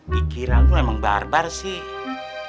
pikiran lu emang barbar sih